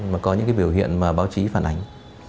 mà có những cái biểu hiện mà báo chí phản ánh